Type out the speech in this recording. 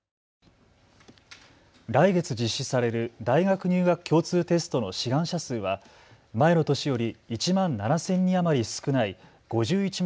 来月実施される大学入学共通テストの志願者数は前の年より１万７０００人余り少ない５１万